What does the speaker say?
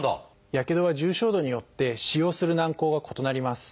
やけどは重症度によって使用する軟こうが異なります。